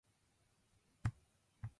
おやすみ赤ちゃんわたしがママよ